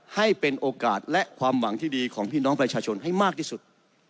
ให้เป็นโอกาสและความหวังที่ดีของพี่น้องประชาชนให้มากที่สุด